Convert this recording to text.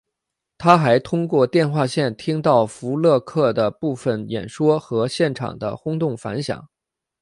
他还通过电话线听到福勒克的部分演说和现场的轰动反响。